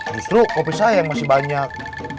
justru kopi saya yang masih banyak